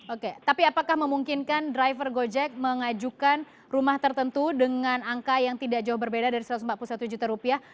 oke tapi apakah memungkinkan driver gojek mengajukan rumah tertentu dengan angka yang tidak jauh berbeda dari satu ratus empat puluh satu juta rupiah